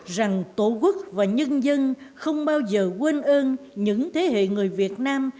rằng tổ quốc và nhân dân không bao giờ quên ơn những thế hệ người việt nam